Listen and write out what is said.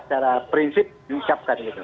secara prinsip diucapkan gitu